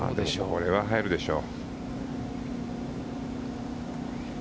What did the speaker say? これは入るでしょう。